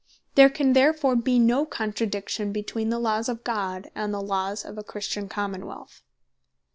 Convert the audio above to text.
There can therefore be no contradiction between the Laws of God, and the Laws of a Christian Common wealth.